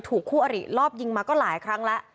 คู่อริรอบยิงมาก็หลายครั้งแล้ว